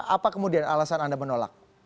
apa kemudian alasan anda menolak